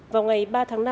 vào ngày ba tháng năm